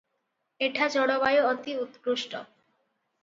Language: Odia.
ଏଠା ଜଳବାୟୁ ଅତି ଉତ୍କୃଷ୍ଟ ।